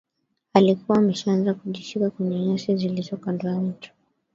Alikuwa ameshaanza kujishika kwenye nyasi zilizo kando ya mto